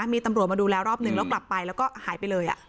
มีตำรวจมาดูแลรอบนึงแล้วกลับไปแล้วก็หายไปเลย